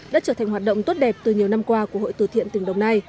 đã trở thành hoạt động tốt đẹp từ nhiều năm qua của hội từ thiện tỉnh đồng nai